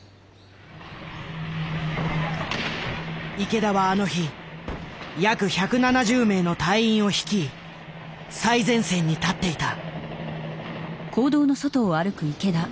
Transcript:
池田はあの日約１７０名の隊員を率い最前線に立っていた。